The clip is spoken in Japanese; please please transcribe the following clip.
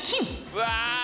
うわ。